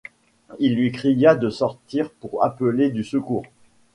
Il lui cria de sortir pour appeler du secours.